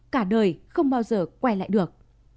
cả đời không bao giờ quay lại được